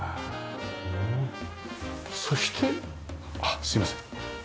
そしてあっすいません。